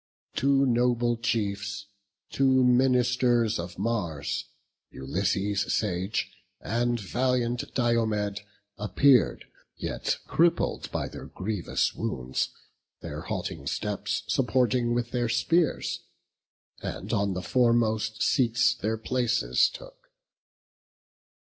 Two noble chiefs, two ministers of Mars, Ulysses sage, and valiant Diomed, Appear'd, yet crippled by their grievous wounds, Their halting steps supporting with their spears, And on the foremost seats their places took.